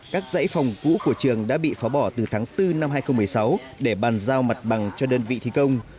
các dãy phòng cũ của trường đã bị phá bỏ từ tháng bốn năm hai nghìn một mươi sáu để bàn giao mặt bằng cho đơn vị thi công